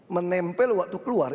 menempel waktu keluar